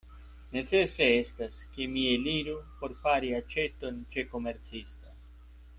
Necese estas, ke mi eliru por fari aĉeton ĉe komercisto.